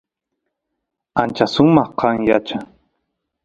ancha sumaq kan yacha